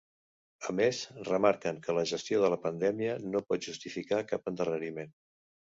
A més, remarquen que la gestió de la pandèmia no pot justificar cap endarreriment.